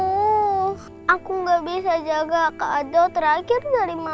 tentu aku nggak bisa jaga kak adou terakhir dari mama